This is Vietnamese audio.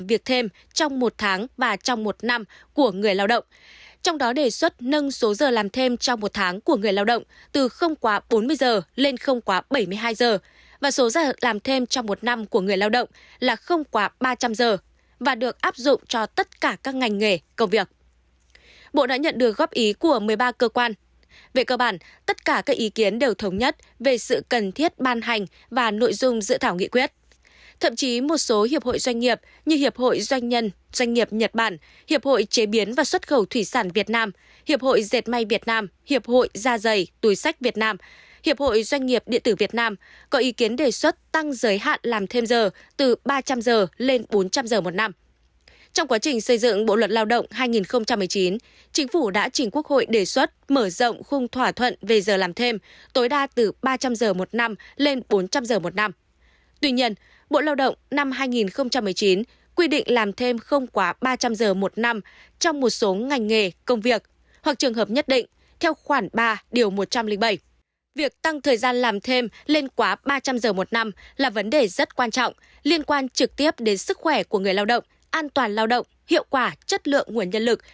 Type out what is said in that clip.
việc tăng thời gian làm thêm lên quá ba trăm linh giờ một năm là vấn đề rất quan trọng liên quan trực tiếp đến sức khỏe của người lao động an toàn lao động hiệu quả chất lượng nguồn nhân lực và đặc biệt đây còn là vấn đề có nhiều ý kiến khác nhau